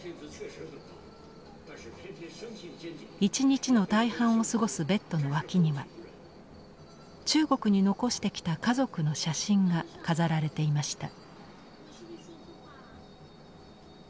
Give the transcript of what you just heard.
一日の大半を過ごすベッドの脇には中国に残してきた家族の写真が飾られていました。